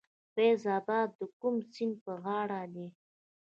فیض اباد د کوم سیند په غاړه دی؟